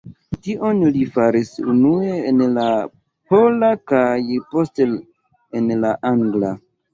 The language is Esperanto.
Tion li faris unue en la pola, kaj poste en la angla.